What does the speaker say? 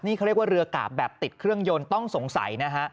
นี่เขาเรียกว่าเรือกาบแบบติดเครื่องยนต์ต้องสงสัยนะฮะ